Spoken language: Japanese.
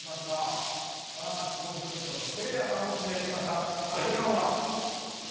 霜降り明星のせいやさんを指名しました。